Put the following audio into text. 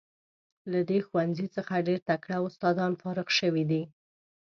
له دې ښوونځي څخه ډیر تکړه استادان فارغ شوي دي.